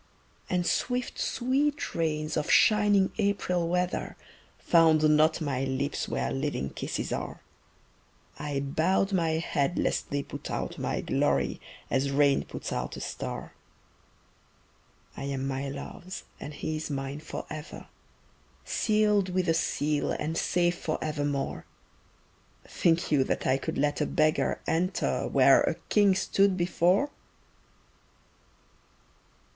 And swift sweet rains of shining April weather Found not my lips where living kisses are; I bowed my head lest they put out my glory As rain puts out a star. I am my love's and he is mine forever, Sealed with a seal and safe forevermore Think you that I could let a beggar enter Where a king stood before?